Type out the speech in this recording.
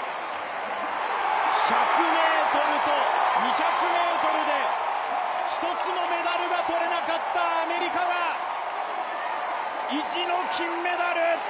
１００ｍと、２００ｍで１つもメダルが取れなかったアメリカが意地の金メダル！